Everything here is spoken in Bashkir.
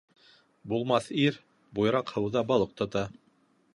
Булмаҫ ир буйраҡ һыуҙа балыҡ тота.